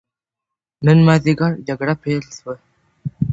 نن ماځیګر جګړه پيل سوه.